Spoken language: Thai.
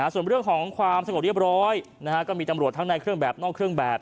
ส่วนเรื่องของความสงบเรียบร้อยก็มีตำรวจทั้งในเครื่องแบบนอกเครื่องแบบ